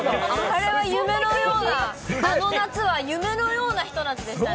あれは夢のような、あの夏は夢のようなひと夏でしたね。